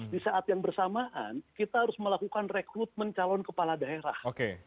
di saat yang bersamaan kita harus melakukan rekrutmen calon kepala daerah